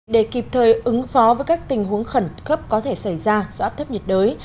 để kịp thời ứng phó với các tình huống khẩn cấp có thể xảy ra do áp thấp nhiệt đới